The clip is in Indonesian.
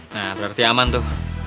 nah berarti aman tuh